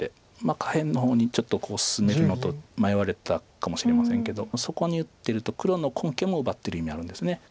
下辺の方にちょっと進めるのと迷われたかもしれませんけどそこに打ってると黒の根拠も奪ってる意味あるんです。